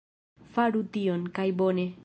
Faru tion... kaj bone...